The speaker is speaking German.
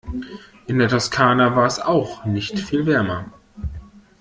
In der Toskana war es auch nicht viel wärmer.